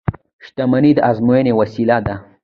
• شتمني د ازموینې وسیله ده.